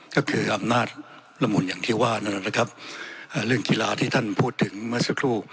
ก็คืออำนาจละมุนอย่างที่ว่านั่นนะครับเรื่องกีฬาที่ท่านพูดถึงเมื่อสักครู่